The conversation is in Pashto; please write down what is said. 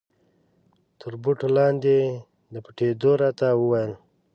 تر بوټو لاندې د پټېدو را ته و ویل.